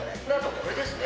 これですね。